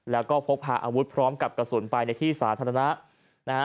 แล้วก็พกพาอาวุธพร้อมกับกระสุนไปในที่สาธารณะนะฮะ